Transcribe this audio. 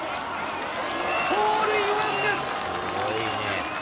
ホールインワンです！